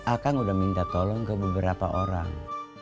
akang udah minta tolong ke beberapa orang